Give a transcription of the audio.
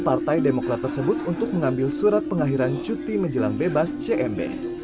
partai demokrat tersebut untuk mengambil surat pengakhiran cuti menjelang bebas cmb